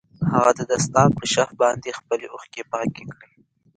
هغه د دستار په شف باندې خپلې اوښکې پاکې کړې.